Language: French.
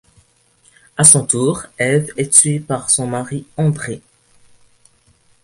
À son tour, Ève est tuée par son mari André.